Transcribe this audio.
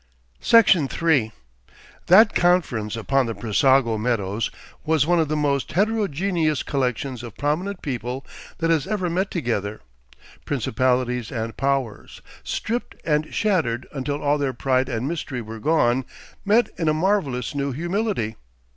Section 3 That conference upon the Brissago meadows was one of the most heterogeneous collections of prominent people that has ever met together. Principalities and powers, stripped and shattered until all their pride and mystery were gone, met in a marvellous new humility.